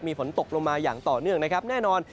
มีฝนตกลงมาอย่างต่อเนื่องนะครับแน่นอน